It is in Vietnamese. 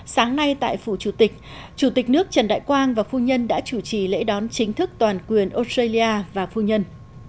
sáng nay tại phủ chủ tịch chủ tịch nước trần đại quang và phu nhân đã chủ trì lễ đón chính thức toàn quyền australia và phu nhân